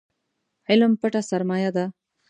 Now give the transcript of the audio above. علم پټه سرمايه ده